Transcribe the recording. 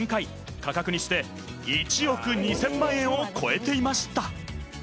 価格にして１億２０００万円を超えていました。